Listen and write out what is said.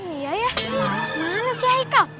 iya ya kemana sih heikal